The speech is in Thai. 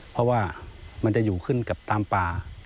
เพราะว่ามันจะอยู่ขึ้นกับตามป่า